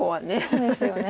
そうですよね。